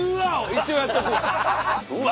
一応やっとくわ。